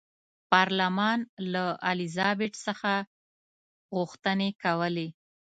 پارلمان له الیزابت څخه غوښتنې کولې.